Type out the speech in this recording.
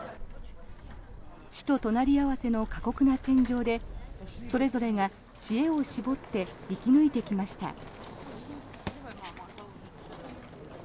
死と隣り合わせの過酷な戦場でそれぞれが知恵を絞って生き抜いてきました。